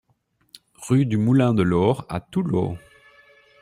Rue du Moulin de l'Aure à Toulaud